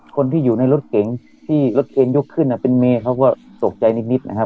คนที่อยู่ในรถเก๋งที่รถเก่งยกขึ้นเป็นเมย์เขาก็ตกใจนิดนะครับ